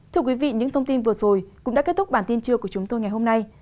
thưa quý vị những thông tin vừa rồi cũng đã kết thúc bản tin trưa của chúng tôi ngày hôm nay